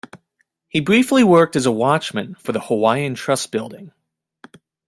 He briefly worked as a watchman for the Hawaiian Trust building.